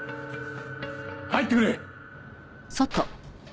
帰ってくれ！